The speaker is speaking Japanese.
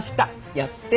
やって。